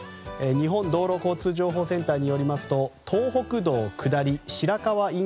日本道路交通情報センターによりますと東北道下り白河ＩＣ